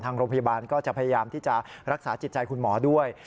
โรงพยาบาลก็จะพยายามที่จะรักษาจิตใจคุณหมอด้วย